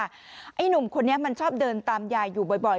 ไอ้หนุ่มคนนี้มันชอบเดินตามยายอยู่บ่อย